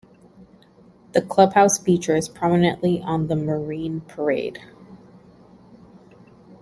The clubhouse features prominently on the Marine Parade.